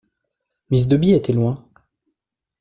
Miss Dobby était loin.